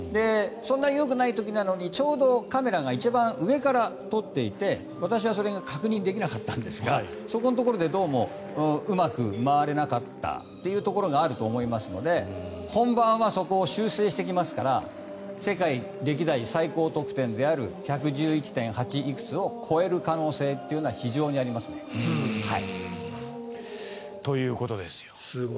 そんなによくない時なのにカメラがちょうど上から撮っていて私はそれが確認できなかったんですがそこのところでどうもうまく回れなかったところがあると思いますので本番はそこを修正してきますから世界歴代最高得点である１１１．８いくつを超える可能性というのはということですよ。